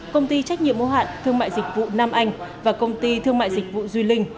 công ty trách nhiệm mô hạn thương mại dịch vụ nam anh và công ty thương mại dịch vụ duy linh